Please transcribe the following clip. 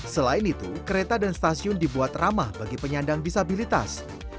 selain itu kereta dan stasiun dibuat ramah bagi penyandang disabilitas